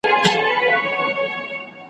اعتماد ملنګ